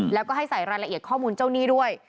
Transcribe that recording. แล้วก็ให้ใส่รายละเอียดข้อมูลเจ้าหนี้ด้วย